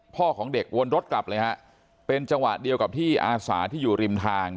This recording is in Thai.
ของเด็กวนรถกลับเลยฮะเป็นจังหวะเดียวกับที่อาสาที่อยู่ริมทาง